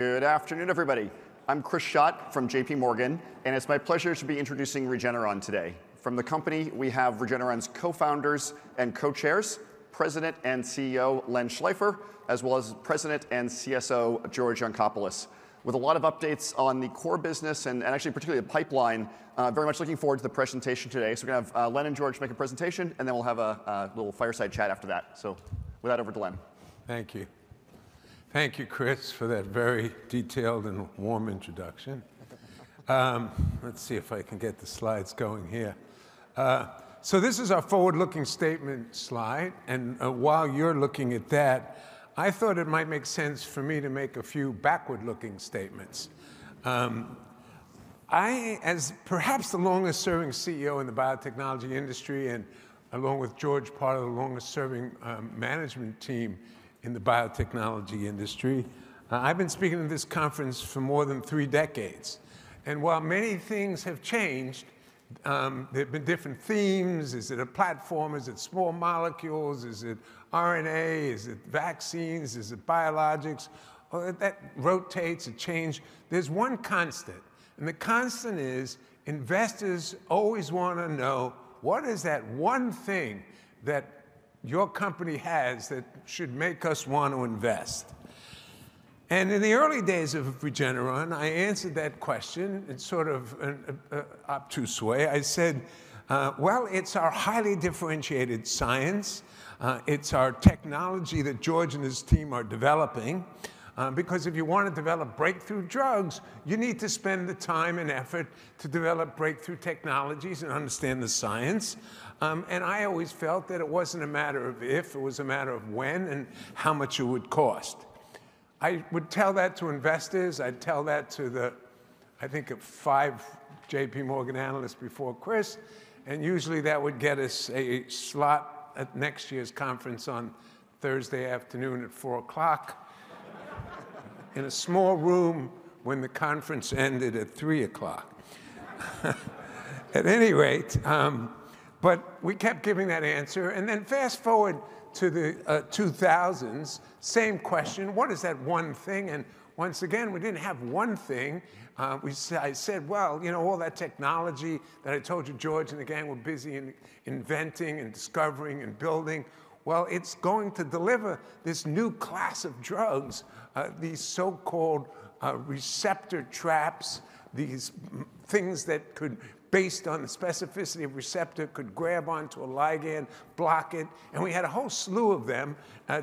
Good afternoon, everybody. I'm Chris Schott from JPMorgan, and it's my pleasure to be introducing Regeneron today. From the company, we have Regeneron's co-founders and co-chairs, President and CEO Len Schleifer, as well as President and CSO George Yancopoulos. With a lot of updates on the core business and actually particularly the pipeline, very much looking forward to the presentation today. So we're going to have Len and George make a presentation, and then we'll have a little fireside chat after that. So with that, over to Len. Thank you. Thank you, Chris, for that very detailed and warm introduction. Let's see if I can get the slides going here. So this is our forward-looking statement slide. And while you're looking at that, I thought it might make sense for me to make a few backward-looking statements. I, as perhaps the longest-serving CEO in the biotechnology industry, and along with George, part of the longest-serving management team in the biotechnology industry, I've been speaking at this conference for more than three decades. And while many things have changed, there have been different themes. Is it a platform? Is it small molecules? Is it RNA? Is it vaccines? Is it biologics? That rotates and changes. There's one constant. And the constant is investors always want to know, what is that one thing that your company has that should make us want to invest? And in the early days of Regeneron, I answered that question in sort of an obtuse way. I said, well, it's our highly differentiated science. It's our technology that George and his team are developing. Because if you want to develop breakthrough drugs, you need to spend the time and effort to develop breakthrough technologies and understand the science. And I always felt that it wasn't a matter of if. It was a matter of when and how much it would cost. I would tell that to investors. I'd tell that to the, I think, five JPMorgan analysts before Chris. And usually that would get us a slot at next year's conference on Thursday afternoon at 4:00 P.M. in a small room when the conference ended at 3:00 P.M. At any rate, but we kept giving that answer. And then fast forward to the 2000s, same question. What is that one thing? And once again, we didn't have one thing. I said, well, you know all that technology that I told you George and the gang were busy in inventing and discovering and building. Well, it's going to deliver this new class of drugs, these so-called receptor traps, these things that could, based on the specificity of receptor, could grab onto a ligand, block it. And we had a whole slew of them.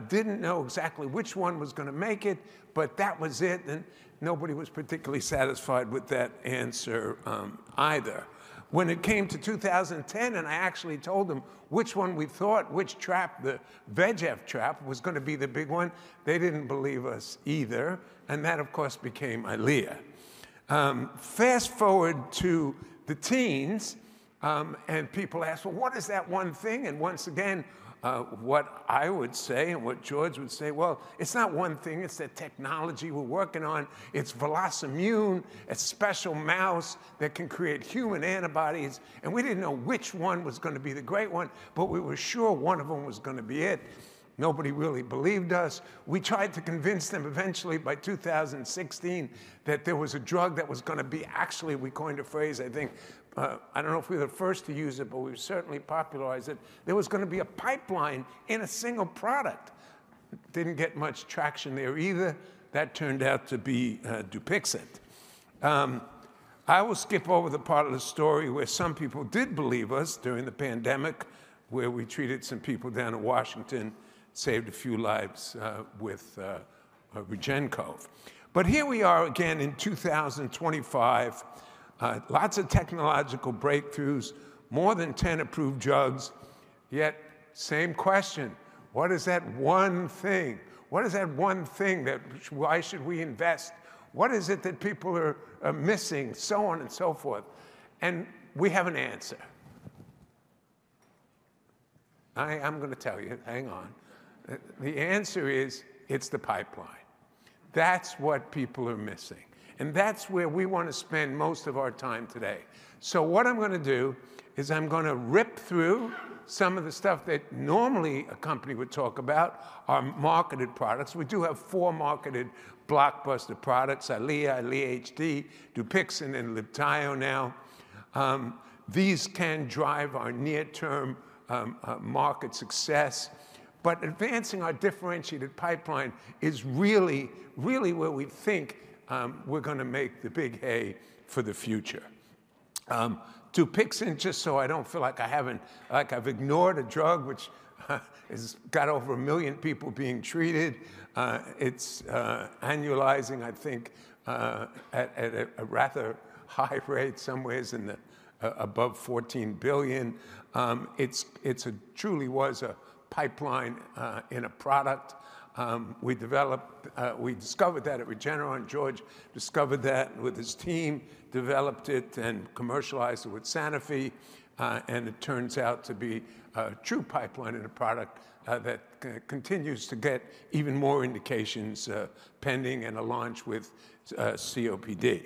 Didn't know exactly which one was going to make it, but that was it. And nobody was particularly satisfied with that answer either. When it came to 2010, and I actually told them which one we thought, which trap, the VEGF Trap was going to be the big one, they didn't believe us either. And that, of course, became EYLEA. Fast forward to the teens, and people asked, well, what is that one thing? And once again, what I would say and what George would say, well, it's not one thing. It's the technology we're working on. It's VelocImmune, a special mouse that can create human antibodies, and we didn't know which one was going to be the great one, but we were sure one of them was going to be it. Nobody really believed us. We tried to convince them, eventually by 2016, that there was a drug that was going to be. Actually, we coined a phrase, I think, I don't know if we were the first to use it, but we certainly popularized it. There was going to be a pipeline in a single product. Didn't get much traction there either. That turned out to be Dupixent. I will skip over the part of the story where some people did believe us during the pandemic, where we treated some people down in Washington, saved a few lives with REGEN-COV. But here we are again in 2025. Lots of technological breakthroughs, more than 10 approved drugs. Yet same question. What is that one thing? What is that one thing that why should we invest? What is it that people are missing? So on and so forth. And we have an answer. I'm going to tell you, hang on. The answer is it's the pipeline. That's what people are missing. And that's where we want to spend most of our time today. So what I'm going to do is I'm going to rip through some of the stuff that normally a company would talk about, our marketed products. We do have four marketed blockbuster products, Eylea, Eylea HD, Dupixent, and Libtayo now. These can drive our near-term market success. But advancing our differentiated pipeline is really, really where we think we're going to make the big A for the future. Dupixent, just so I don't feel like I haven't, like I've ignored a drug which has got over a million people being treated. It's annualizing, I think, at a rather high rate some ways in the above $14 billion. It truly was a pipeline in a product. We discovered that at Regeneron. George discovered that with his team, developed it and commercialized it with Sanofi. And it turns out to be a true pipeline and a product that continues to get even more indications pending and a launch with COPD.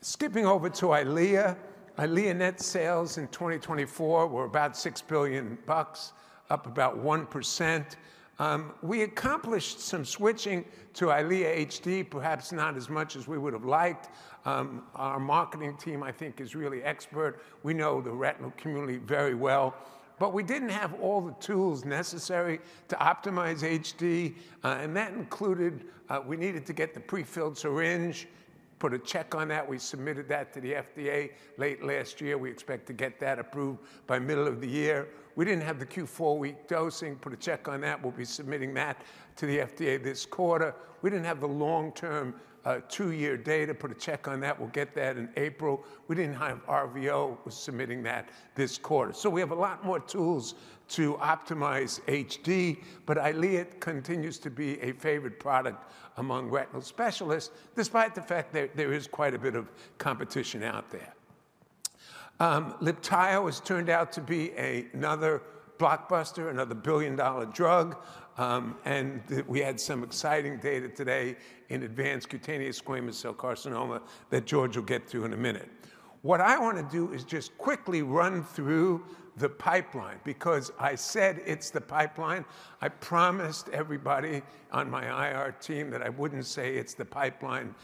Skipping over to Eylea. Eylea net sales in 2024 were about $6 billion, up about 1%. We accomplished some switching to EYLEA HD, perhaps not as much as we would have liked. Our marketing team, I think, is really expert. We know the retinal community very well. But we didn't have all the tools necessary to optimize HD, and that included we needed to get the prefilled syringe. Put a check on that. We submitted that to the FDA late last year. We expect to get that approved by middle of the year. We didn't have the Q4 week dosing. Put a check on that. We'll be submitting that to the FDA this quarter. We didn't have the long-term two-year data. Put a check on that. We'll get that in April. We didn't have RVO. We're submitting that this quarter. So we have a lot more tools to optimize HD. But Eylea continues to be a favorite product among retinal specialists, despite the fact that there is quite a bit of competition out there. Libtayo has turned out to be another blockbuster, another billion-dollar drug. And we had some exciting data today in advanced cutaneous squamous cell carcinoma that George will get to in a minute. What I want to do is just quickly run through the pipeline. Because I said it's the pipeline, I promised everybody on my IR team that I wouldn't say it's the pipeline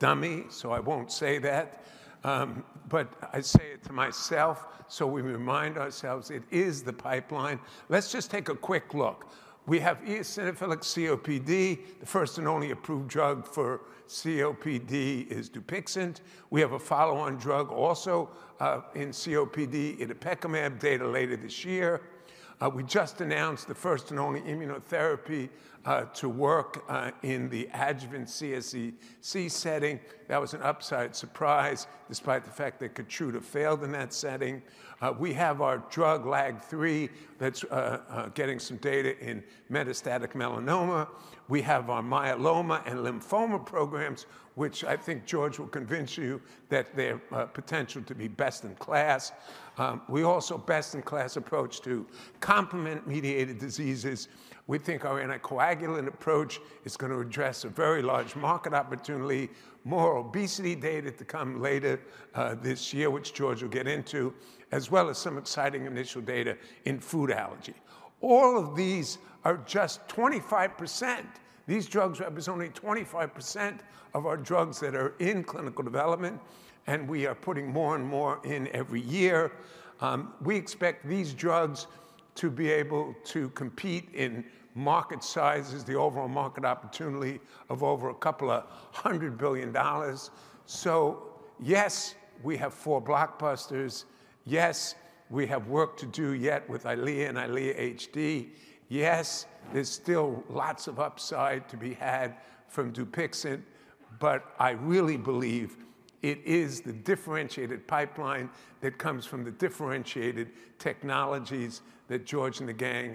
dummy, so I won't say that. But I say it to myself. So we remind ourselves it is the pipeline. Let's just take a quick look. We have eosinophilic COPD. The first and only approved drug for COPD is Dupixent. We have a follow-on drug also in COPD, itepekimab, data later this year. We just announced the first and only immunotherapy to work in the adjuvant CSCC setting. That was an upside surprise, despite the fact that Keytruda failed in that setting. We have our drug, LAG-3, that's getting some data in metastatic melanoma. We have our myeloma and lymphoma programs, which I think George will convince you that they're potential to be best in class. We also best in class approach to complement mediated diseases. We think our anticoagulant approach is going to address a very large market opportunity. More obesity data to come later this year, which George will get into, as well as some exciting initial data in food allergy. All of these are just 25%. These drugs represent only 25% of our drugs that are in clinical development, and we are putting more and more in every year. We expect these drugs to be able to compete in market sizes, the overall market opportunity of over $200 billion. So yes, we have four blockbusters. Yes, we have work to do yet with Eylea and Eylea HD. Yes, there's still lots of upside to be had from Dupixent. But I really believe it is the differentiated pipeline that comes from the differentiated technologies that George and the gang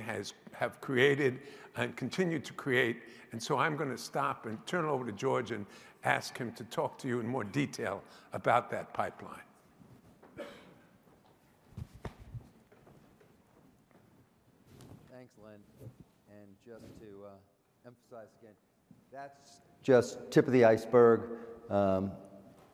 have created and continue to create. And so I'm going to stop and turn it over to George and ask him to talk to you in more detail about that pipeline. Thanks, Len. And just to emphasize again, that's just the tip of the iceberg.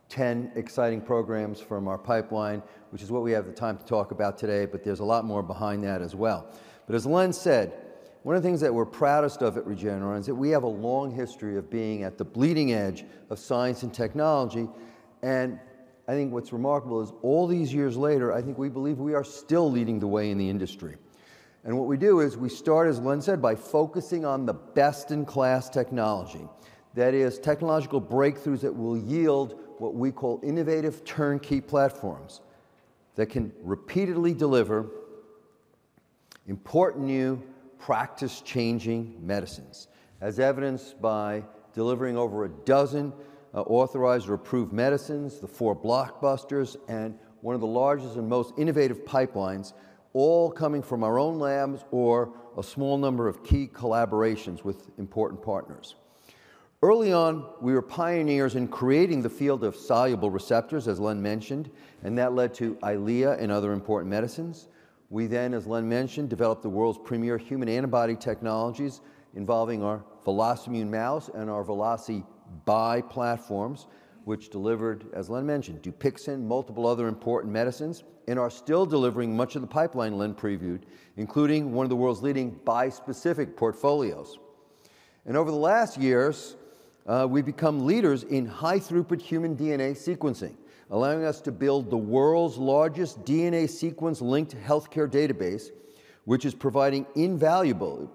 10 exciting programs from our pipeline, which is what we have the time to talk about today. But there's a lot more behind that as well. But as Len said, one of the things that we're proudest of at Regeneron is that we have a long history of being at the bleeding edge of science and technology. And I think what's remarkable is all these years later, I think we believe we are still leading the way in the industry. And what we do is we start, as Len said, by focusing on the best in class technology. That is technological breakthroughs that will yield what we call innovative turnkey platforms that can repeatedly deliver important new practice-changing medicines. As evidenced by delivering over a dozen authorized or approved medicines, the four blockbusters, and one of the largest and most innovative pipelines, all coming from our own labs or a small number of key collaborations with important partners. Early on, we were pioneers in creating the field of soluble receptors, as Len mentioned, and that led to Eylea and other important medicines. We then, as Len mentioned, developed the world's premier human antibody technologies involving our VelocImmune mouse and our Veloci-Bi platforms, which delivered, as Len mentioned, Dupixent, multiple other important medicines, and are still delivering much of the pipeline Len previewed, including one of the world's leading bispecific portfolios. Over the last years, we've become leaders in high-throughput human DNA sequencing, allowing us to build the world's largest DNA sequence-linked healthcare database, which is providing invaluable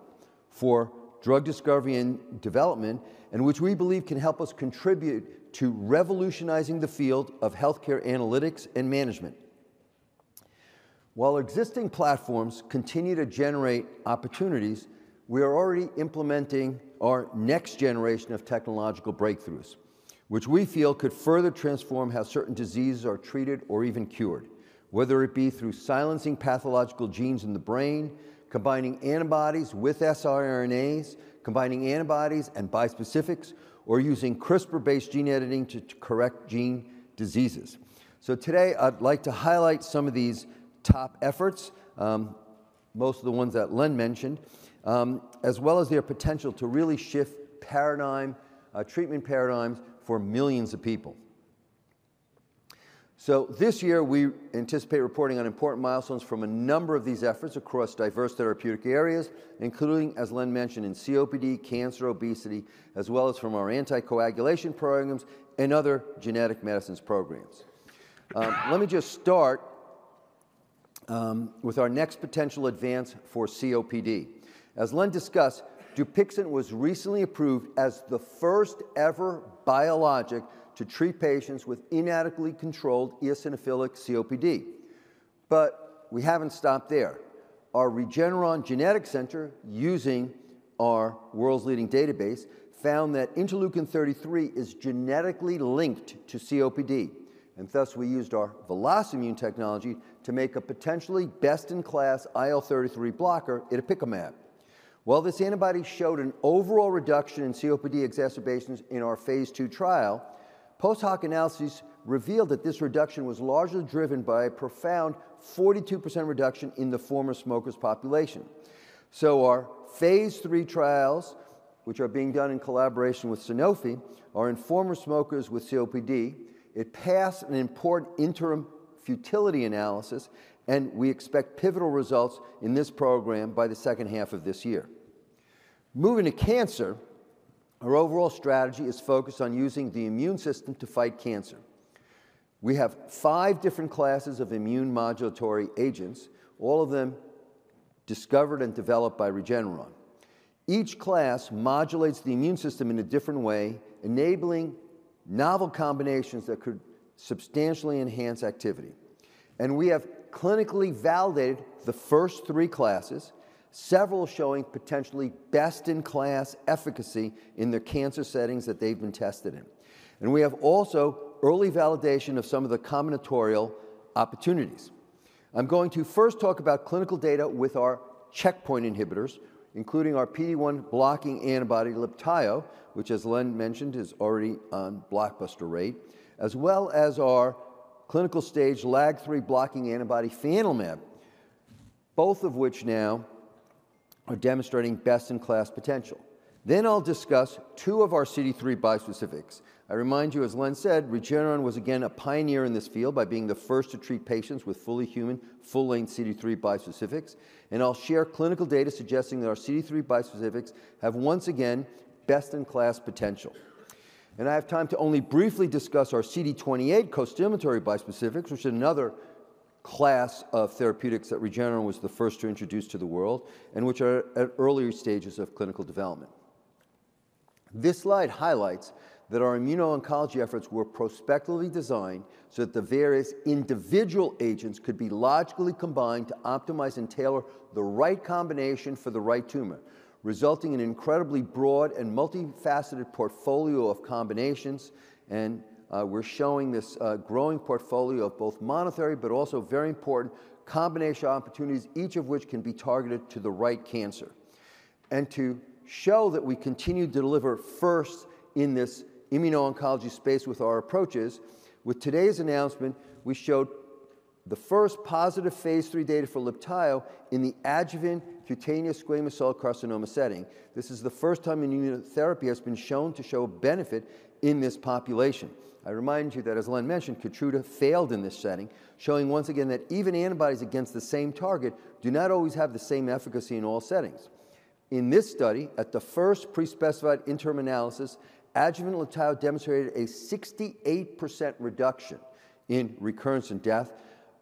for drug discovery and development, and which we believe can help us contribute to revolutionizing the field of healthcare analytics and management. While existing platforms continue to generate opportunities, we are already implementing our next generation of technological breakthroughs, which we feel could further transform how certain diseases are treated or even cured, whether it be through silencing pathological genes in the brain, combining antibodies with siRNAs, combining antibodies and bispecifics, or using CRISPR-based gene editing to correct gene diseases. Today, I'd like to highlight some of these top efforts, most of the ones that Len mentioned, as well as their potential to really shift treatment paradigms for millions of people. This year, we anticipate reporting on important milestones from a number of these efforts across diverse therapeutic areas, including, as Len mentioned, in COPD, cancer, obesity, as well as from our anticoagulation programs and other genetic medicines programs. Let me just start with our next potential advance for COPD. As Len discussed, Dupixent was recently approved as the first-ever biologic to treat patients with inadequately controlled eosinophilic COPD. We haven't stopped there. Our Regeneron Genetics Center, using our world's leading database, found that interleukin-33 is genetically linked to COPD. Thus, we used our VelociMune technology to make a potentially best in class IL-33 blocker, itepekimab. While this antibody showed an overall reduction in COPD exacerbations in our phase two trial, post-hoc analysis revealed that this reduction was largely driven by a profound 42% reduction in the former smokers' population. Our phase 3 trials, which are being done in collaboration with Sanofi, are in former smokers with COPD. It passed an important interim futility analysis, and we expect pivotal results in this program by the second half of this year. Moving to cancer, our overall strategy is focused on using the immune system to fight cancer. We have five different classes of immune modulatory agents, all of them discovered and developed by Regeneron. Each class modulates the immune system in a different way, enabling novel combinations that could substantially enhance activity. And we have clinically validated the first three classes, several showing potentially best in class efficacy in the cancer settings that they've been tested in. And we have also early validation of some of the combinatorial opportunities. I'm going to first talk about clinical data with our checkpoint inhibitors, including our PD-1 blocking antibody Libtayo, which, as Len mentioned, is already on blockbuster rate, as well as our clinical stage LAG-3 blocking antibody fianlimab, both of which now are demonstrating best in class potential. Then I'll discuss two of our CD3 bispecifics. I remind you, as Len said, Regeneron was again a pioneer in this field by being the first to treat patients with fully human, full-length CD3 bispecifics. And I'll share clinical data suggesting that our CD3 bispecifics have once again best in class potential. And I have time to only briefly discuss our CD28 costimulatory bispecifics, which is another class of therapeutics that Regeneron was the first to introduce to the world and which are at earlier stages of clinical development. This slide highlights that our immuno-oncology efforts were prospectively designed so that the various individual agents could be logically combined to optimize and tailor the right combination for the right tumor, resulting in an incredibly broad and multifaceted portfolio of combinations. And we're showing this growing portfolio of both monoclonal, but also very important combination opportunities, each of which can be targeted to the right cancer. And to show that we continue to deliver first in this immuno-oncology space with our approaches, with today's announcement, we showed the first positive phase three data for Libtayo in the adjuvant cutaneous squamous cell carcinoma setting. This is the first time immunotherapy has been shown to show benefit in this population. I remind you that, as Len mentioned, Keytruda failed in this setting, showing once again that even antibodies against the same target do not always have the same efficacy in all settings. In this study, at the first prespecified interim analysis, adjuvant Libtayo demonstrated a 68% reduction in recurrence and death,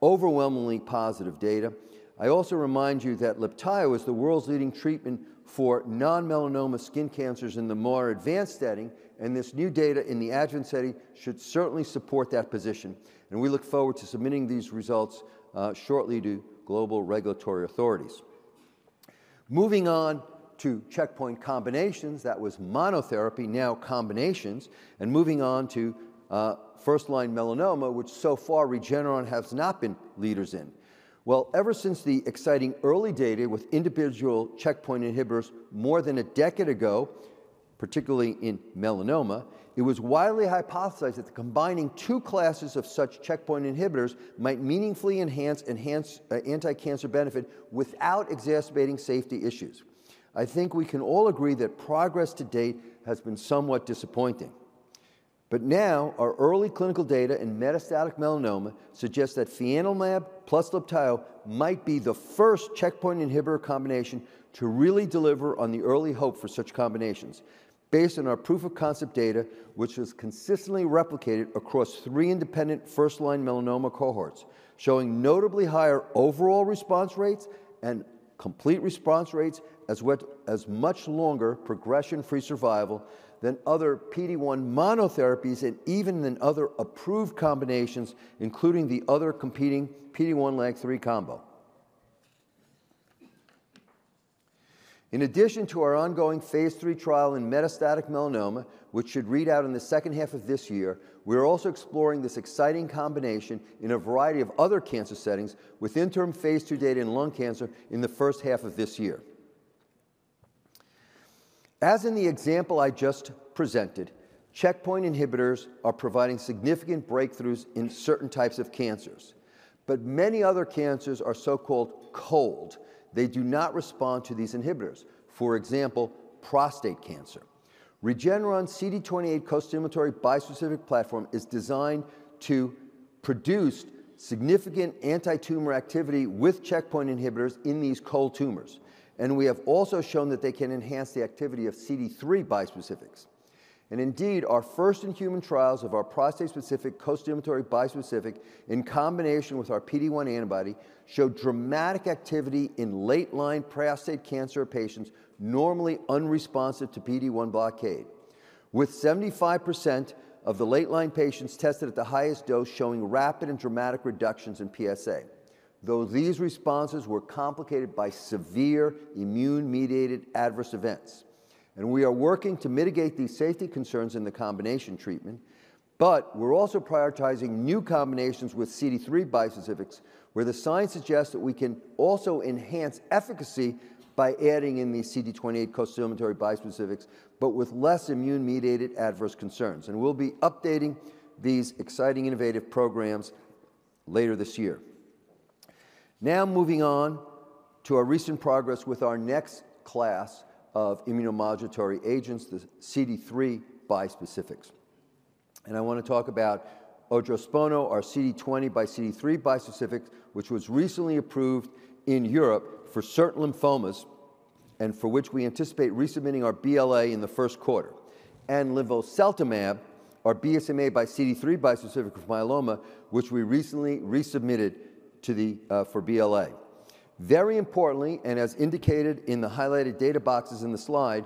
overwhelmingly positive data. I also remind you that Libtayo is the world's leading treatment for non-melanoma skin cancers in the more advanced setting. And this new data in the adjuvant setting should certainly support that position. And we look forward to submitting these results shortly to global regulatory authorities. Moving on to checkpoint combinations, that was monotherapy, now combinations. And moving on to first-line melanoma, which so far Regeneron has not been leaders in. Well, ever since the exciting early data with individual checkpoint inhibitors more than a decade ago, particularly in melanoma, it was widely hypothesized that combining two classes of such checkpoint inhibitors might meaningfully enhance anti-cancer benefit without exacerbating safety issues. I think we can all agree that progress to date has been somewhat disappointing. But now our early clinical data in metastatic melanoma suggests that fianlimab plus Libtayo might be the first checkpoint inhibitor combination to really deliver on the early hope for such combinations, based on our proof of concept data, which was consistently replicated across three independent first-line melanoma cohorts, showing notably higher overall response rates and complete response rates, as well as much longer progression-free survival than other PD-1 monotherapies and even than other approved combinations, including the other competing PD-1 LAG-3 combo. In addition to our ongoing phase three trial in metastatic melanoma, which should read out in the second half of this year, we're also exploring this exciting combination in a variety of other cancer settings with interim phase two data in lung cancer in the first half of this year. As in the example I just presented, checkpoint inhibitors are providing significant breakthroughs in certain types of cancers. Many other cancers are so-called cold. They do not respond to these inhibitors, for example, prostate cancer. Regeneron CD28 costimulatory bispecific platform is designed to produce significant anti-tumor activity with checkpoint inhibitors in these cold tumors. We have also shown that they can enhance the activity of CD3 bispecifics. Indeed, our first in human trials of our prostate-specific costimulatory bispecific in combination with our PD-1 antibody showed dramatic activity in late-line prostate cancer patients normally unresponsive to PD-1 blockade, with 75% of the late-line patients tested at the highest dose showing rapid and dramatic reductions in PSA, though these responses were complicated by severe immune-mediated adverse events. We are working to mitigate these safety concerns in the combination treatment. But we're also prioritizing new combinations with CD3 bispecifics, where the science suggests that we can also enhance efficacy by adding in the CD28 costimulatory bispecifics, but with less immune-mediated adverse concerns. And we'll be updating these exciting innovative programs later this year. Now moving on to our recent progress with our next class of immunomodulatory agents, the CD3 bispecifics. And I want to talk about Ordspono, our CD20 x CD3 bispecific, which was recently approved in Europe for certain lymphomas and for which we anticipate resubmitting our BLA in the first quarter, and linvoseltamab, our BCMA x CD3 bispecific for myeloma, which we recently resubmitted for BLA. Very importantly, and as indicated in the highlighted data boxes in the slide,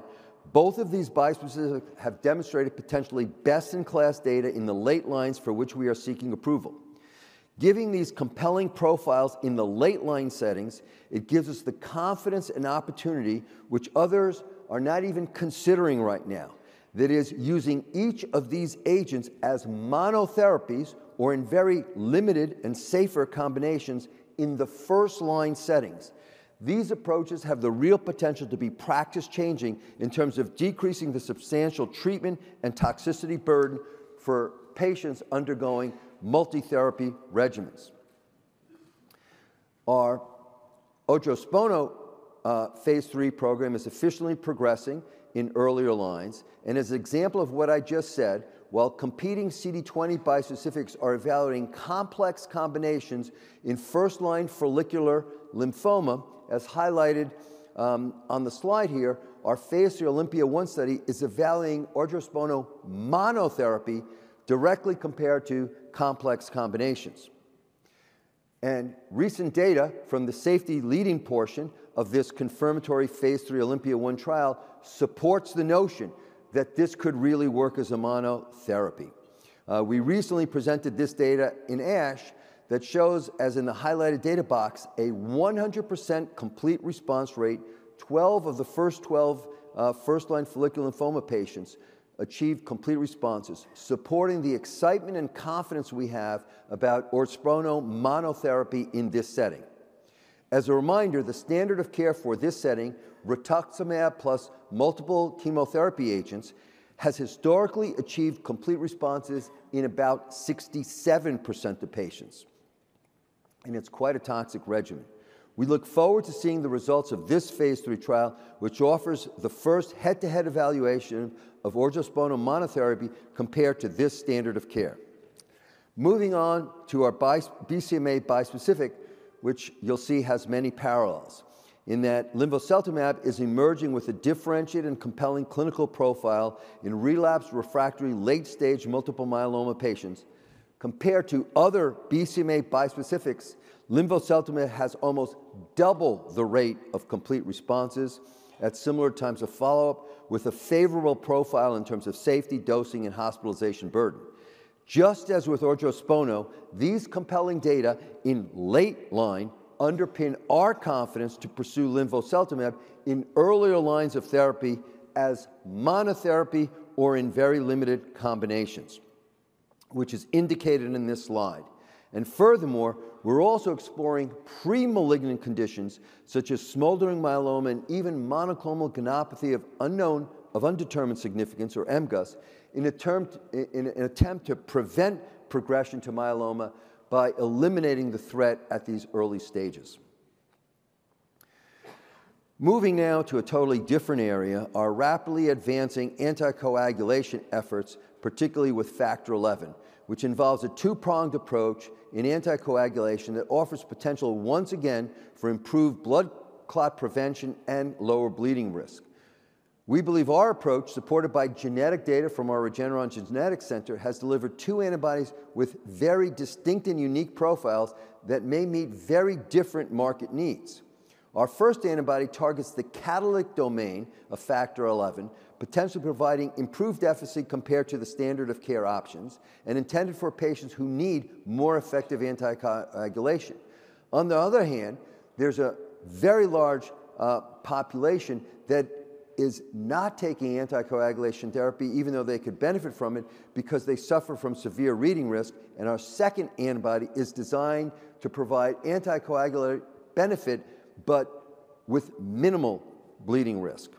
both of these bispecifics have demonstrated potentially best in class data in the late lines for which we are seeking approval. Giving these compelling profiles in the late line settings, it gives us the confidence and opportunity which others are not even considering right now, that is, using each of these agents as monotherapies or in very limited and safer combinations in the first-line settings. These approaches have the real potential to be practice-changing in terms of decreasing the substantial treatment and toxicity burden for patients undergoing multi-therapy regimens. Our Ordspono phase three program is efficiently progressing in earlier lines. And as an example of what I just said, while competing CD20 bispecifics are evaluating complex combinations in first-line follicular lymphoma, as highlighted on the slide here, our phase three OLYMPIA-1 study is evaluating Ordspono monotherapy directly compared to complex combinations. And recent data from the safety lead-in portion of this confirmatory phase three OLYMPIA-1 trial supports the notion that this could really work as a monotherapy. We recently presented this data in ASH that shows, as in the highlighted data box, a 100% complete response rate. 12 of the first 12 first-line follicular lymphoma patients achieved complete responses, supporting the excitement and confidence we have about Ordspono monotherapy in this setting. As a reminder, the standard of care for this setting, Rituximab plus multiple chemotherapy agents, has historically achieved complete responses in about 67% of patients, and it's quite a toxic regimen. We look forward to seeing the results of this phase 3 trial, which offers the first head-to-head evaluation of Ordspono monotherapy compared to this standard of care. Moving on to our BCMA bispecific, which you'll see has many parallels, in that linvoseltamab is emerging with a differentiated and compelling clinical profile in relapsed refractory late-stage multiple myeloma patients. Compared to other BCMA bispecifics, linvoseltamab has almost double the rate of complete responses at similar times of follow-up, with a favorable profile in terms of safety, dosing, and hospitalization burden. Just as with Ordspono, these compelling data in late line underpin our confidence to pursue linvoseltamab in earlier lines of therapy as monotherapy or in very limited combinations, which is indicated in this slide. And furthermore, we're also exploring premalignant conditions such as smoldering myeloma and even monoclonal gammopathy of undetermined significance, or MGUS, in an attempt to prevent progression to myeloma by eliminating the threat at these early stages. Moving now to a totally different area, our rapidly advancing anticoagulation efforts, particularly with Factor XI, which involves a two-pronged approach in anticoagulation that offers potential once again for improved blood clot prevention and lower bleeding risk. We believe our approach, supported by genetic data from our Regeneron Genetics Center, has delivered two antibodies with very distinct and unique profiles that may meet very different market needs. Our first antibody targets the catalytic domain of Factor XI, potentially providing improved efficacy compared to the standard of care options and intended for patients who need more effective anticoagulation. On the other hand, there's a very large population that is not taking anticoagulation therapy, even though they could benefit from it, because they suffer from severe bleeding risk. And our second antibody is designed to provide anticoagulant benefit, but with minimal bleeding risk.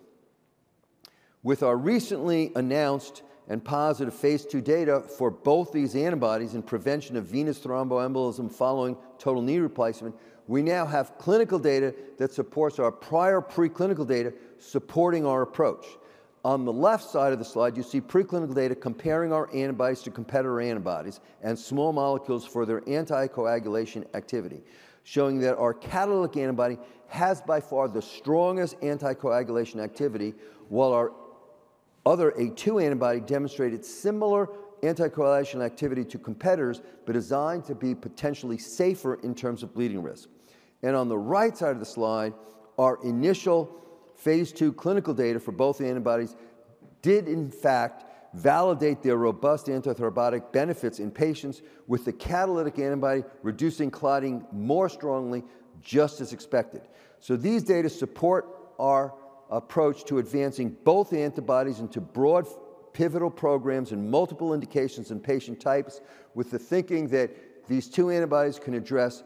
With our recently announced and positive phase 2 data for both these antibodies in prevention of venous thromboembolism following total knee replacement, we now have clinical data that supports our prior preclinical data supporting our approach. On the left side of the slide, you see preclinical data comparing our antibodies to competitor antibodies and small molecules for their anticoagulation activity, showing that our catalytic antibody has by far the strongest anticoagulation activity, while our other A2 antibody demonstrated similar anticoagulation activity to competitors but designed to be potentially safer in terms of bleeding risk, and on the right side of the slide, our initial phase 2 clinical data for both antibodies did, in fact, validate their robust antithrombotic benefits in patients with the catalytic antibody reducing clotting more strongly, just as expected, so these data support our approach to advancing both antibodies into broad pivotal programs and multiple indications and patient types, with the thinking that these two antibodies can address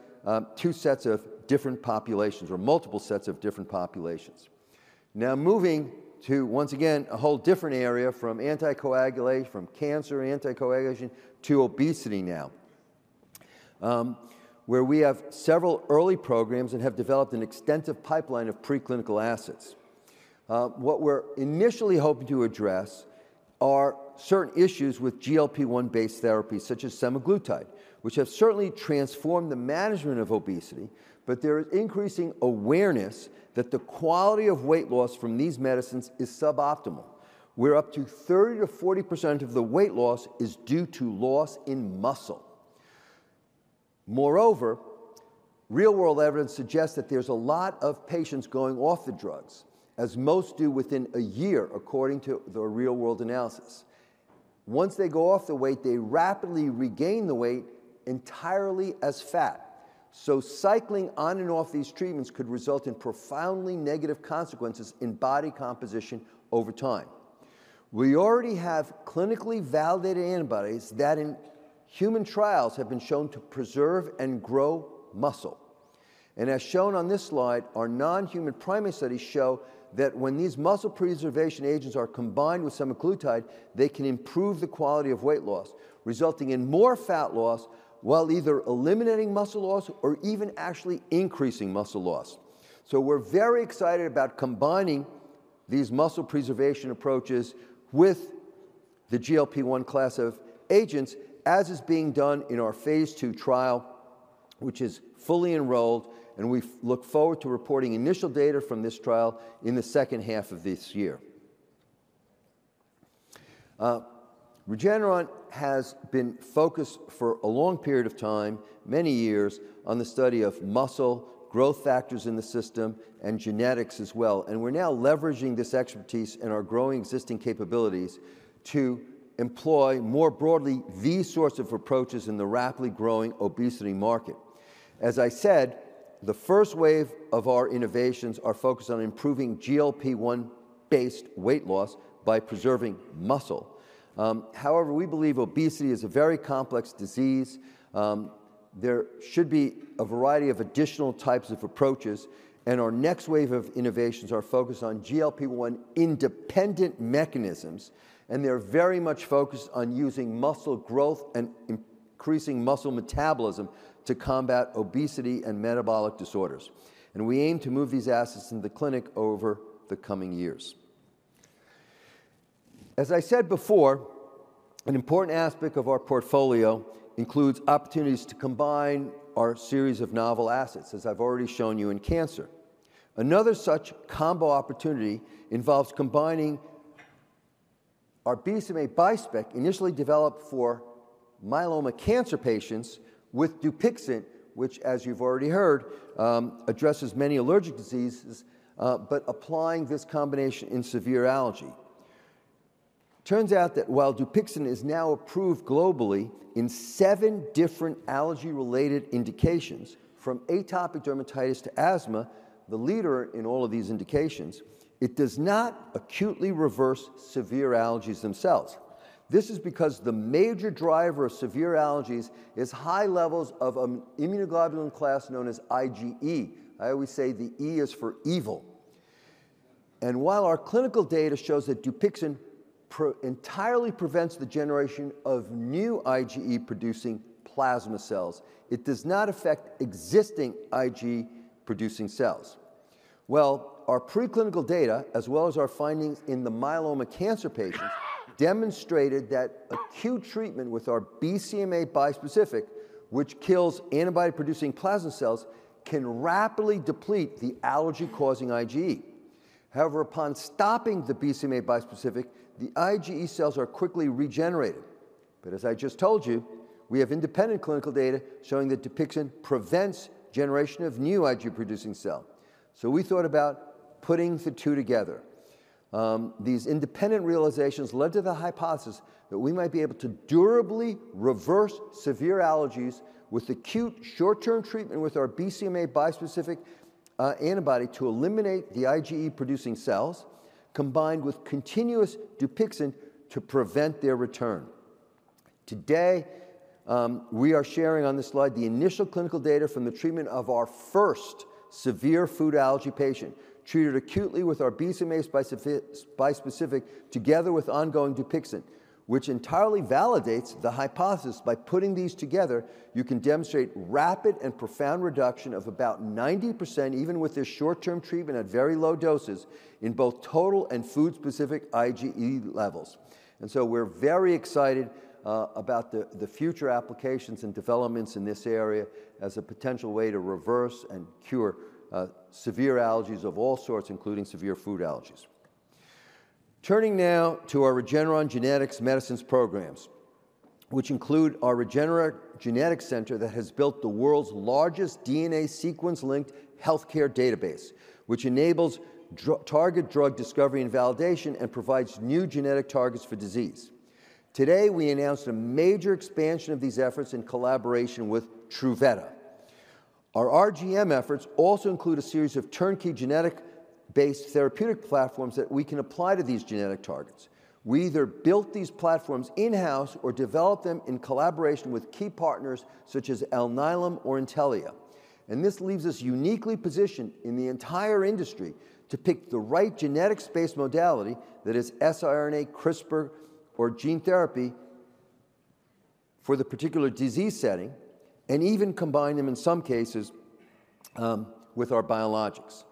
two sets of different populations or multiple sets of different populations. Now moving to, once again, a whole different area from anticoagulation, from cancer anticoagulation to obesity now, where we have several early programs and have developed an extensive pipeline of preclinical assets. What we're initially hoping to address are certain issues with GLP-1 based therapies, such as semaglutide, which have certainly transformed the management of obesity, but there is increasing awareness that the quality of weight loss from these medicines is suboptimal. We're up to 30%-40% of the weight loss is due to loss in muscle. Moreover, real-world evidence suggests that there's a lot of patients going off the drugs, as most do within a year, according to the real-world analysis. Once they go off the weight, they rapidly regain the weight entirely as fat. So cycling on and off these treatments could result in profoundly negative consequences in body composition over time. We already have clinically validated antibodies that in human trials have been shown to preserve and grow muscle, and as shown on this slide, our non-human primate studies show that when these muscle preservation agents are combined with semaglutide, they can improve the quality of weight loss, resulting in more fat loss while either eliminating muscle loss or even actually increasing muscle loss, so we're very excited about combining these muscle preservation approaches with the GLP-1 class of agents, as is being done in our phase two trial, which is fully enrolled, and we look forward to reporting initial data from this trial in the second half of this year. Regeneron has been focused for a long period of time, many years, on the study of muscle growth factors in the system and genetics as well. And we're now leveraging this expertise and our growing existing capabilities to employ more broadly these sorts of approaches in the rapidly growing obesity market. As I said, the first wave of our innovations are focused on improving GLP-1 based weight loss by preserving muscle. However, we believe obesity is a very complex disease. There should be a variety of additional types of approaches. And our next wave of innovations are focused on GLP-1 independent mechanisms. And they're very much focused on using muscle growth and increasing muscle metabolism to combat obesity and metabolic disorders. And we aim to move these assets into the clinic over the coming years. As I said before, an important aspect of our portfolio includes opportunities to combine our series of novel assets, as I've already shown you in cancer. Another such combo opportunity involves combining our BCMA bispecific, initially developed for myeloma cancer patients, with Dupixent, which, as you've already heard, addresses many allergic diseases, but applying this combination in severe allergy. It turns out that while Dupixent is now approved globally in seven different allergy-related indications, from atopic dermatitis to asthma, the leader in all of these indications, it does not acutely reverse severe allergies themselves. This is because the major driver of severe allergies is high levels of an immunoglobulin class known as IgE. I always say the E is for evil. And while our clinical data shows that Dupixent entirely prevents the generation of new IgE-producing plasma cells, it does not affect existing IgE-producing cells. Our preclinical data, as well as our findings in the myeloma cancer patients, demonstrated that acute treatment with our BCMA bispecific, which kills antibody-producing plasma cells, can rapidly deplete the allergy-causing IgE. However, upon stopping the BCMA bispecific, the IgE cells are quickly regenerated. But as I just told you, we have independent clinical data showing that Dupixent prevents generation of new IgE-producing cells. So we thought about putting the two together. These independent realizations led to the hypothesis that we might be able to durably reverse severe allergies with acute short-term treatment with our BCMA bispecific antibody to eliminate the IgE-producing cells, combined with continuous Dupixent to prevent their return. Today, we are sharing on this slide the initial clinical data from the treatment of our first severe food allergy patient, treated acutely with our BCMA bispecific together with ongoing Dupixent, which entirely validates the hypothesis. By putting these together, you can demonstrate rapid and profound reduction of about 90%, even with this short-term treatment at very low doses, in both total and food-specific IgE levels. We're very excited about the future applications and developments in this area as a potential way to reverse and cure severe allergies of all sorts, including severe food allergies. Turning now to our Regeneron Genetic Medicines programs, which include our Regeneron Genetics Center that has built the world's largest DNA sequence-linked healthcare database, which enables target drug discovery and validation and provides new genetic targets for disease. Today, we announced a major expansion of these efforts in collaboration with Truveta. Our RGM efforts also include a series of turnkey genetic-based therapeutic platforms that we can apply to these genetic targets. We either built these platforms in-house or developed them in collaboration with key partners such as Alnylam or Intellia. And this leaves us uniquely positioned in the entire industry to pick the right genetic space modality that is siRNA, CRISPR, or gene therapy for the particular disease setting, and even combine them in some cases with our biologics.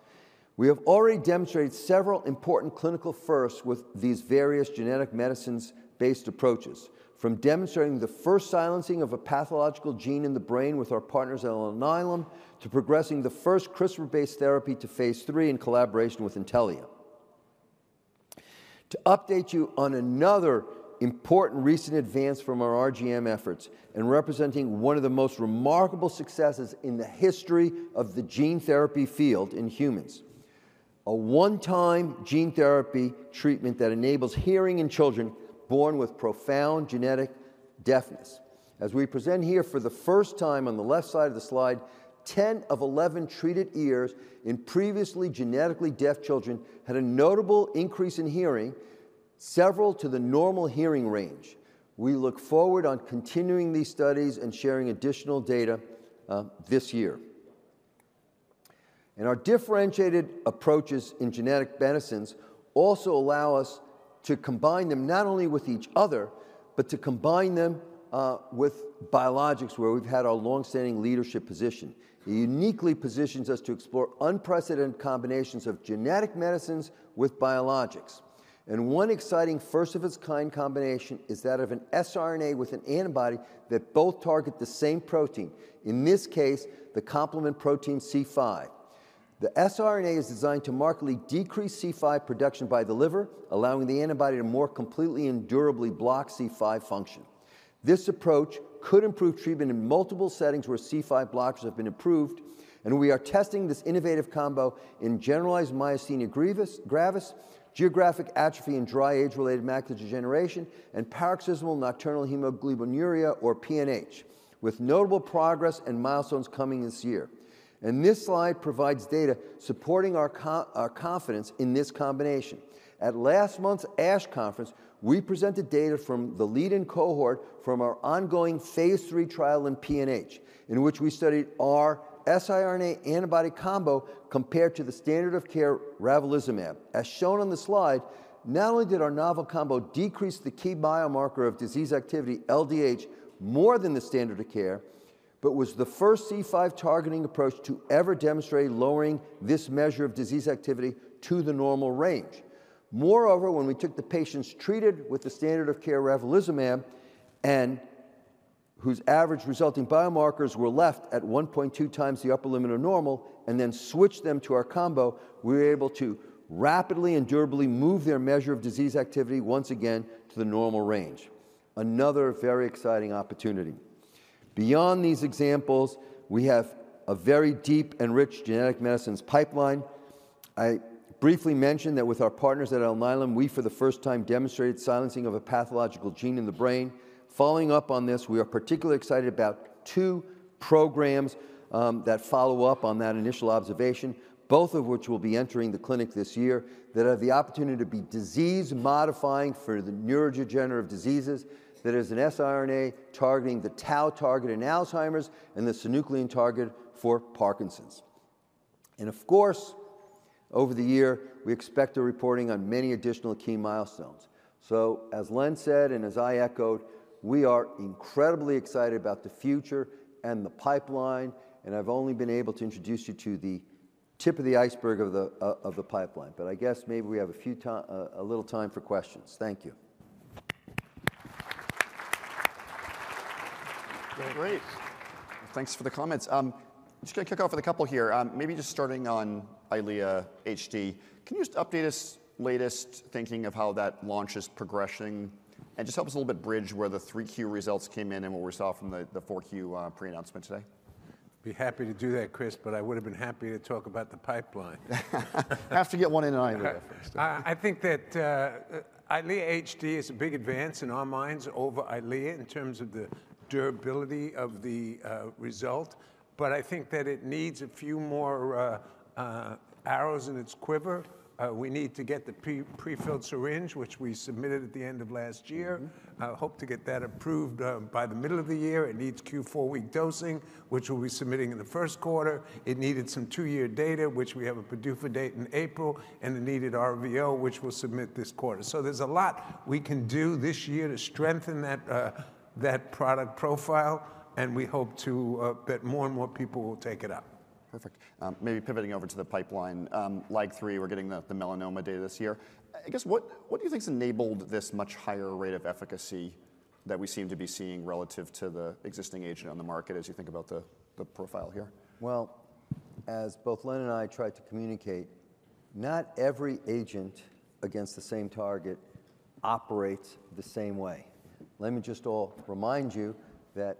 We have already demonstrated several important clinical firsts with these various genetic medicines-based approaches, from demonstrating the first silencing of a pathological gene in the brain with our partners at Alnylam to progressing the first CRISPR-based therapy to phase 3 in collaboration with Intellia. To update you on another important recent advance from our RGM efforts and representing one of the most remarkable successes in the history of the gene therapy field in humans, a one-time gene therapy treatment that enables hearing in children born with profound genetic deafness. As we present here for the first time on the left side of the slide, 10 of 11 treated ears in previously genetically deaf children had a notable increase in hearing, several to the normal hearing range. We look forward to continuing these studies and sharing additional data this year, and our differentiated approaches in genetic medicines also allow us to combine them not only with each other, but to combine them with biologics, where we've had our longstanding leadership position. It uniquely positions us to explore unprecedented combinations of genetic medicines with biologics, and one exciting first-of-its-kind combination is that of an siRNA with an antibody that both target the same protein, in this case, the complement protein C5. The siRNA is designed to markedly decrease C5 production by the liver, allowing the antibody to more completely and durably block C5 function. This approach could improve treatment in multiple settings where C5 blockers have been approved. We are testing this innovative combo in generalized myasthenia gravis, geographic atrophy and dry age-related macular degeneration, and paroxysmal nocturnal hemoglobinuria, or PNH, with notable progress and milestones coming this year. This slide provides data supporting our confidence in this combination. At last month's ASH conference, we presented data from the lead-in cohort from our ongoing phase 3 trial in PNH, in which we studied our siRNA antibody combo compared to the standard of care ravulizumab. As shown on the slide, not only did our novel combo decrease the key biomarker of disease activity, LDH, more than the standard of care, but was the first C5 targeting approach to ever demonstrate lowering this measure of disease activity to the normal range. Moreover, when we took the patients treated with the standard of care ravulizumab and whose average resulting biomarkers were left at 1.2 times the upper limit of normal, and then switched them to our combo, we were able to rapidly and durably move their measure of disease activity once again to the normal range. Another very exciting opportunity. Beyond these examples, we have a very deep and rich genetic medicines pipeline. I briefly mentioned that with our partners at Alnylam, we for the first time demonstrated silencing of a pathological gene in the brain. Following up on this, we are particularly excited about two programs that follow up on that initial observation, both of which will be entering the clinic this year, that have the opportunity to be disease-modifying for the neurodegenerative diseases, that is an siRNA targeting the tau target in Alzheimer's and the synuclein target for Parkinson's. Of course, over the year, we expect the reporting on many additional key milestones. As Len said and as I echoed, we are incredibly excited about the future and the pipeline. I've only been able to introduce you to the tip of the iceberg of the pipeline. I guess maybe we have a little time for questions. Thank you. Great. Thanks for the comments. Just going to kick off with a couple here. Maybe just starting on Eylea HD, can you just update us latest thinking of how that launch is progressing? And just help us a little bit bridge where the 3Q results came in and what we saw from the 4Q pre-announcement today. be happy to do that, Chris, but I would have been happy to talk about the pipeline. Have to get one in on Eylea first. I think that Eylea HD is a big advance in our minds over Eylea in terms of the durability of the result. But I think that it needs a few more arrows in its quiver. We need to get the prefilled syringe, which we submitted at the end of last year. I hope to get that approved by the middle of the year. It needs Q4 week dosing, which we'll be submitting in the first quarter. It needed some two-year data, which we have a PDUFA date in April. And it needed RVO, which we'll submit this quarter. So there's a lot we can do this year to strengthen that product profile. And we hope to get more and more people will take it up. Perfect. Maybe pivoting over to the pipeline, like three, we're getting the melanoma data this year. I guess, what do you think has enabled this much higher rate of efficacy that we seem to be seeing relative to the existing agent on the market as you think about the profile here? As both Len and I tried to communicate, not every agent against the same target operates the same way. Let me just remind you that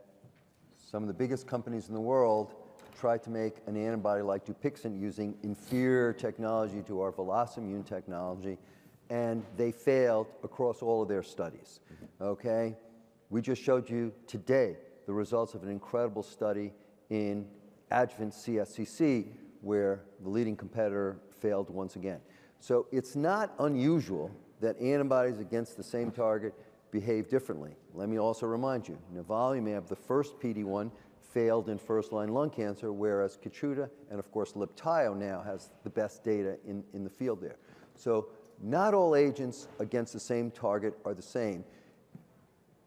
some of the biggest companies in the world tried to make an antibody like Dupixent using inferior technology to our VelociMune technology. And they failed across all of their studies. Okay? We just showed you today the results of an incredible study in adjuvant CSCC, where the leading competitor failed once again. So it's not unusual that antibodies against the same target behave differently. Let me also remind you, nivolumab, the first PD-1, failed in first-line lung cancer, whereas Keytruda and, of course, Libtayo now has the best data in the field there. So not all agents against the same target are the same.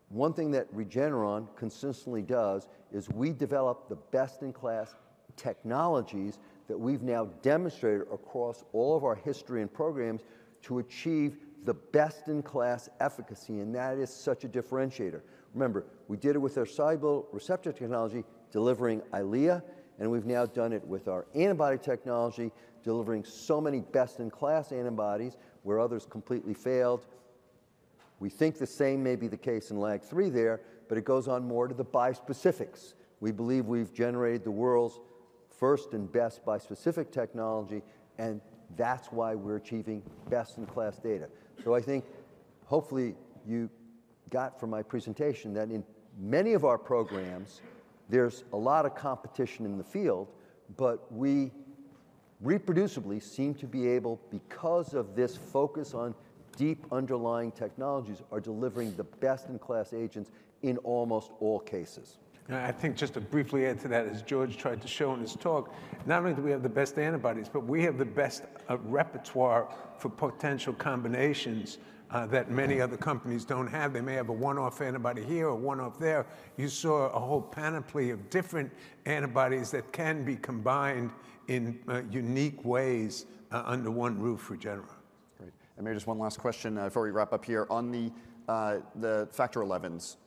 One thing that Regeneron consistently does is we develop the best-in-class technologies that we've now demonstrated across all of our history and programs to achieve the best-in-class efficacy. And that is such a differentiator. Remember, we did it with our VEGF receptor technology delivering Eylea. And we've now done it with our antibody technology delivering so many best-in-class antibodies where others completely failed. We think the same may be the case in LAG-3 there. But it goes on more to the bispecifics. We believe we've generated the world's first and best bispecific technology. And that's why we're achieving best-in-class data. So I think, hopefully, you got from my presentation that in many of our programs, there's a lot of competition in the field. But we reproducibly seem to be able, because of this focus on deep underlying technologies, are delivering the best-in-class agents in almost all cases. I think just to briefly add to that, as George tried to show in his talk, not only do we have the best antibodies, but we have the best repertoire for potential combinations that many other companies don't have. They may have a one-off antibody here or one-off there. You saw a whole panoply of different antibodies that can be combined in unique ways under one roof for Regeneron. Great. And maybe just one last question before we wrap up here. On the Factor XIs,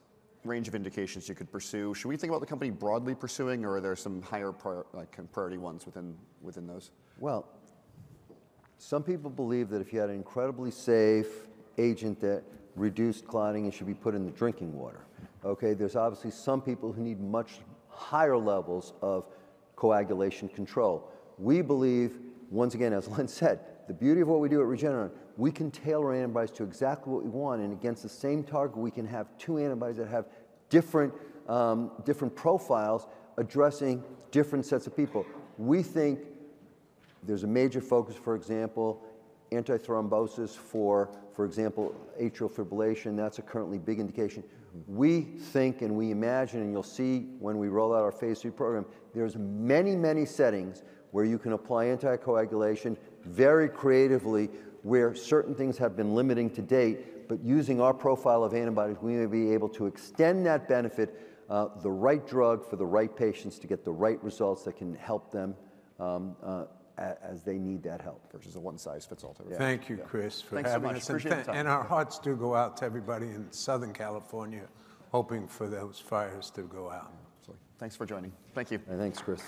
range of indications you could pursue, should we think about the company broadly pursuing, or are there some higher priority ones within those? Some people believe that if you had an incredibly safe agent that reduced clotting, it should be put in the drinking water. Okay? There's obviously some people who need much higher levels of coagulation control. We believe, once again, as Len said, the beauty of what we do at Regeneron, we can tailor antibodies to exactly what we want. And against the same target, we can have two antibodies that have different profiles addressing different sets of people. We think there's a major focus, for example, antithrombosis for example, atrial fibrillation. That's a currently big indication. We think and we imagine, and you'll see when we roll out our phase three program, there's many, many settings where you can apply anticoagulation very creatively, where certain things have been limiting to date. But using our profile of antibodies, we may be able to extend that benefit, the right drug for the right patients to get the right results that can help them as they need that help. Versus a one-size-fits-all type of thing. Thank you, Chris, for that. Thanks so much. Our hearts do go out to everybody in Southern California hoping for those fires to go out. Thanks for joining. Thank you. Thanks, Chris.